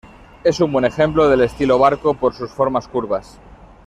Es un buen ejemplo del estilo "barco" por sus formas curvas.